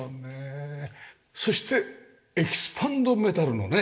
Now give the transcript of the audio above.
そしてエキスパンドメタルのね。